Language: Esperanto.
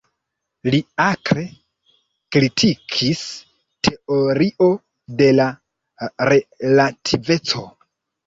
Li akre kritikis teorio de la relativeco.